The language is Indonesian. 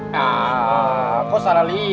ya kok salah liat